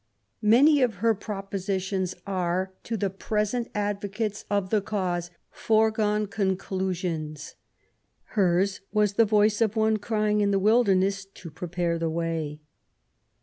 Many of her propositions are^ to the present advocates of the cause, foregone conclusions. Hers was the voice of one crying in the wilderness, to pre pare the way.